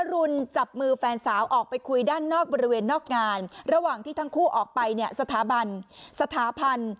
รุนจับมือแฟนสาวออกไปคุยด้านนอกบริเวณนอกงานระหว่างที่ทั้งคู่ออกไปเนี่ยสถาบันสถาพันธ์